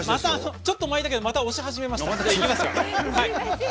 ちょっと巻きだったけどまた、押し始めました。